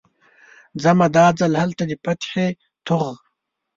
ځمه، دا ځل هلته د فتحې توغ